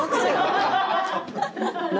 何？